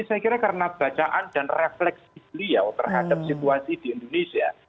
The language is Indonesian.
saya kira karena bacaan dan refleksi beliau terhadap situasi di indonesia